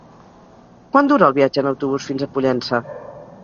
Quant dura el viatge en autobús fins a Pollença?